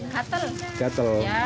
karena apa banjir ya